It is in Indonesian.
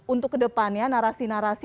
untuk kedepannya narasi narasi